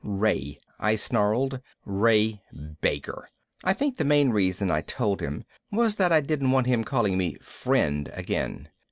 "Ray," I snarled. "Ray Baker." I think the main reason I told him was that I didn't want him calling me "friend" again.